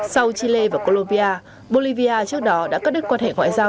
sau chile và colombia bolivia trước đó đã cắt đứt quan hệ ngoại giao